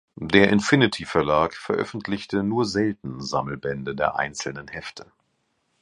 Der "Infinity Verlag" veröffentlichte nur selten Sammelbände der einzelnen Hefte.